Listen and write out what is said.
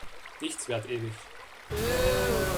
Nichts währt ewig.